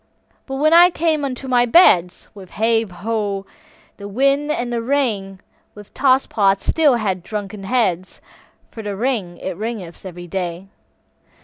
But when I came unto my beds, With hey, ho, the wind and the rain, With toss pots still had drunken heads, For the rain it raineth every day.